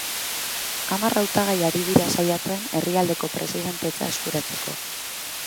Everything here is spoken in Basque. Hamar hautagai ari dira saiatzen, herrialdeko presidentetza eskuratzeko.